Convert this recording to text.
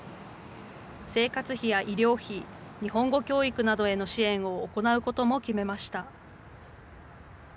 生活費や医療費、日本語教育などへの支援を行うことも決めました。